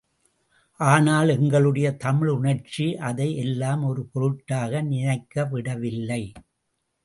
ஆனால் எங்களுடைய தமிழுணர்ச்சி அதை எல்லாம் ஒரு பொருட்டாக நினைக்க விடவில்லை.